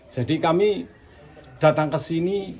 jadi kami datang kesini